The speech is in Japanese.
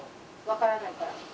分からんなるから。